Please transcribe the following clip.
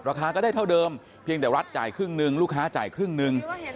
ราคาก็ได้เท่าเดิมเพียงแต่รัฐจ่ายครึ่งหนึ่งลูกค้าจ่ายครึ่งหนึ่ง